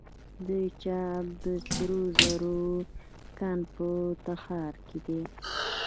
د چاه اب د سرو زرو کان په تخار کې دی.